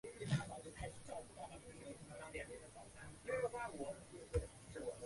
鲤城街道是中国福建省莆田市仙游县下辖的一个街道。